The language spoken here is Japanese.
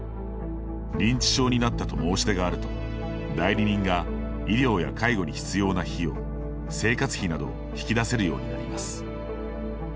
認知症になったと申し出があると代理人が医療や介護に必要な費用生活費などを引き出せるようになります。